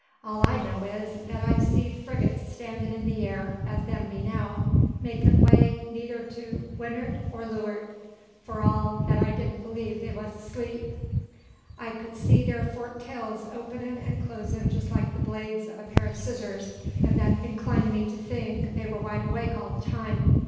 All I know is, that I've seed frigates a standing in the air, as them be now, making way neyther to windart or leuart; f'r all that I didn't believe they was asleep. I kud see thar forked tails openin' and closin' jist like the blades o' a pair o' shears; and that inclined me to think they war wide awake all the time.